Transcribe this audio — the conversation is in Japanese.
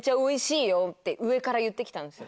上から言ってきたんですよ